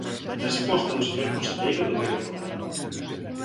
Resposta do señor conselleiro do Medio Rural.